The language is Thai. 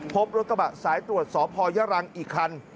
พบรถกระบะสายตรวจสพยรังอีกคัน